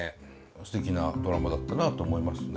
すてきなドラマだったなと思いますね。